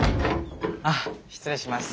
あっ失礼します。